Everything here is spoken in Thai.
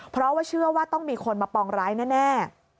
เพราะว่าเชื่อว่าต้องมีคนมาปองร้ายแน่